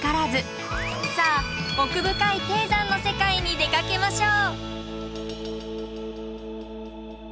さあ奥深い低山の世界に出かけましょう！